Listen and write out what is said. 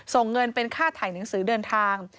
ส่งเงินเป็นค่าถ่ายหนังสือเดินทาง